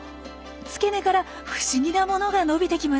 付け根からふしぎなものが伸びてきました。